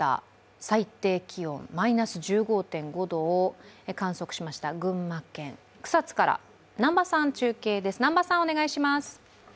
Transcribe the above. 最低気温マイナス１５．５度を観測しました群馬県草津から南波さんの中継です。